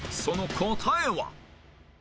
その答えは？